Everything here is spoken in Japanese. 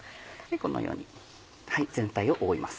このように全体を覆います。